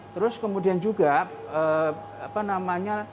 terus kemudian juga apa namanya